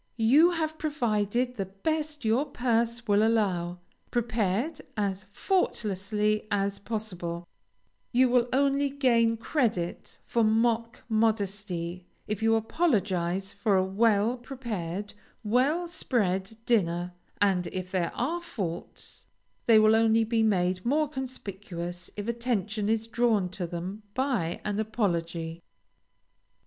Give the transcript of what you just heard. You have provided the best your purse will allow, prepared as faultlessly as possible; you will only gain credit for mock modesty if you apologize for a well prepared, well spread dinner, and if there are faults they will only be made more conspicuous if attention is drawn to them by an apology.